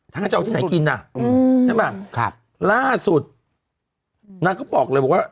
นางจะเอาที่ไหนกินน่ะอืมใช่ไหมครับล่าสุดนางก็บอกเลยว่า